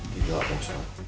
tidak pak sok